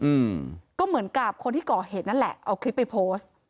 อืมก็เหมือนกับคนที่ก่อเหตุนั่นแหละเอาคลิปไปโพสต์